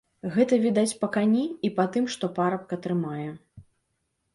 Гэта відаць па кані і па тым, што парабка трымае.